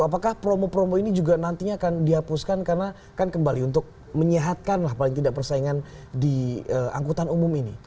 apakah promo promo ini juga nantinya akan dihapuskan karena kan kembali untuk menyehatkan lah paling tidak persaingan di angkutan umum ini